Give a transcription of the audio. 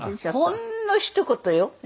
ほんのひと言よ。